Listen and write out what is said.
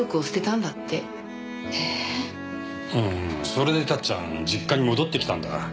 それで達ちゃん実家に戻ってきたんだ。